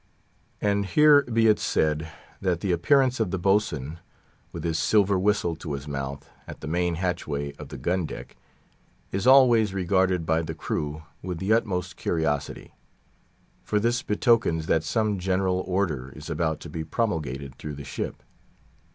And here be it said, that the appearance of the Boat swain, with his silver whistle to his mouth, at the main hatchway of the gun deck, is always regarded by the crew with the utmost curiosity, for this betokens that some general order is about to be promulgated through the ship.